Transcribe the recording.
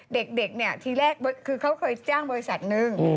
เด็กทีแรกเขาเคยจ้างบริษัทหนึ่ง